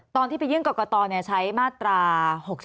ตอนที่พี่ยื่นกกเนี่ยใช้มาตรา๖๒